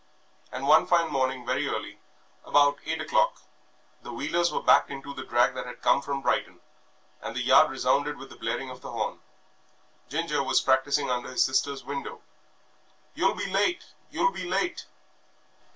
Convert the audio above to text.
And one fine morning, very early about eight o'clock the wheelers were backed into the drag that had come from Brighton, and the yard resounded with the blaring of the horn. Ginger was practising under his sister's window. "You'll be late! You'll be late!"